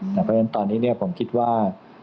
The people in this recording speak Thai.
เพราะฉะนั้นตอนนี้ผมคิดว่า